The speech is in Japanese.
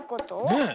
ねえ。